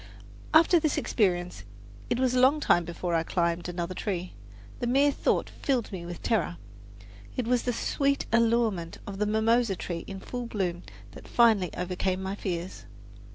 After this experience it was a long time before I climbed another tree. The mere thought filled me with terror. It was the sweet allurement of the mimosa tree in full bloom that finally overcame my fears.